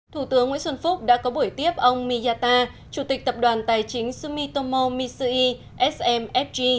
thủ tướng nguyễn xuân phúc đã có buổi tiếp ông miyata chủ tịch tập đoàn tài chính sumitomo missi smfg